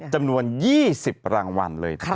จำนวน๒๐รางวัลเลยนะครับ